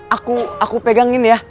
aku aku pegangin ya